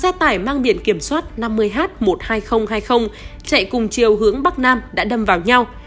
xe tải mang biển kiểm soát năm mươi h một mươi hai nghìn hai mươi chạy cùng chiều hướng bắc nam đã đâm vào nhau